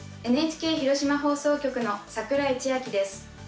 ＮＨＫ広島放送局の櫻井千晶です。